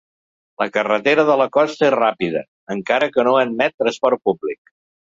La carretera de la costa és ràpida, encara que no admet transport públic.